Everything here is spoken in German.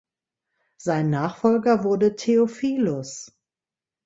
Sein Nachfolger wurde Theophilus.